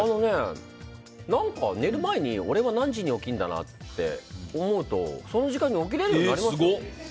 寝る前に俺は何時に起きるって思うと、その時間に起きれるようになりますよ。